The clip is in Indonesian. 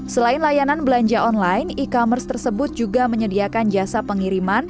selain layanan belanja online e commerce tersebut juga menyediakan jasa pengiriman